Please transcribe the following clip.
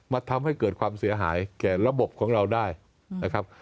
ทำให้เกิดความเสียหายแก่ระบบของเราได้นะครับ